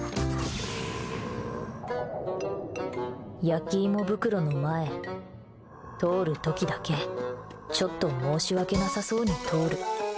焼きイモ袋の前、通る時だけちょっと申し訳なさそうに通る。